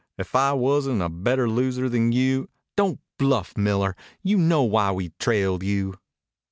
If I wasn't a better loser than you " "Don't bluff, Miller. You know why we trailed you."